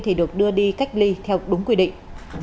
thì được đưa đi cách ly theo đúng quy định